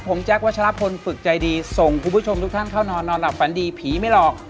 ผมแจ๊ควัชลพลฝึกใจดีส่งคุณผู้ชมทุกท่านเข้านอนนอนหลับฝันดีผีไม่หลอก